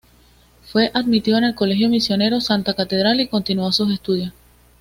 Fue admitido en el Colegio Misionero Santa Catedral y continuó sus estudios.